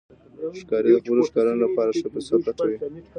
ښکاري د خپلو ښکارونو لپاره ښه فرصت لټوي.